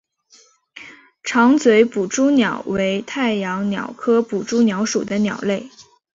长嘴捕蛛鸟为太阳鸟科捕蛛鸟属的鸟类。